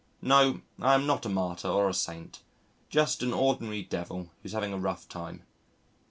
No, I am not a martyr or a saint. Just an ordinary devil who's having a rough time.